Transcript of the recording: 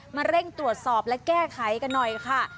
เร่งตรวจสอบและแก้ไขกันหน่อยค่ะ